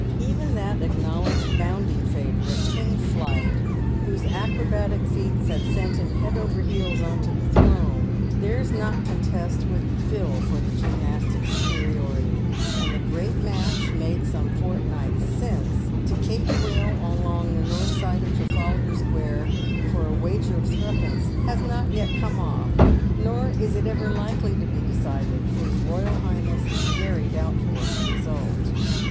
Even that acknowledged bounding favourite, King Flight, whose acrobatic feats had sent him head over heels on to the throne, dares not contest with Phil for gymnastic superiority ; and the great match made some fortnight since, " to eaten wheel" along the north side of Trafalgar square for a wager of threepence, has not yet come off, nor is it ever likely to be decided, for his royal highness is very doubtful of the result.